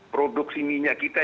produksi minyak kita